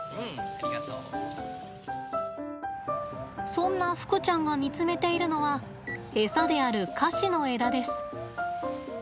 そんな、ふくちゃんが見つめているのはエサであるカシの枝です。